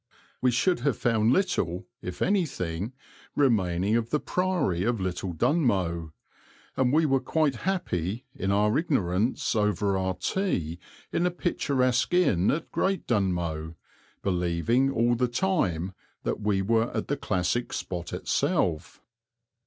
We should have found little, if anything, remaining of the Priory of Little Dunmow, and we were quite happy, in our ignorance, over our tea in a picturesque inn at Great Dunmow, believing all the time that we were at the classic spot itself.